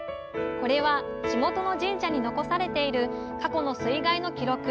これは地元の神社に残されている過去の水害の記録。